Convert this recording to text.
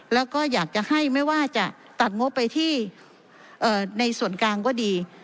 แล้วก็อยากจะให้ไม่ว่าจะตัดงบไปที่ในส่วนกลางก็ดี